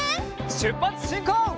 しゅっぱつしんこう！